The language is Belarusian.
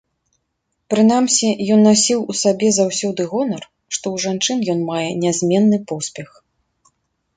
Прынамсі, ён насіў у сабе заўсёды гонар, што ў жанчын ён мае нязменны поспех.